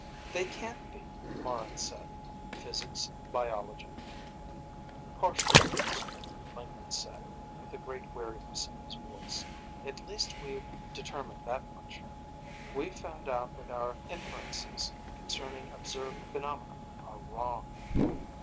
"They can't be," Morran said. "Physics, biology " "Partial truths," Lingman said, with a great weariness in his voice. "At least we've determined that much. We've found out that our inferences concerning observed phenomena are wrong."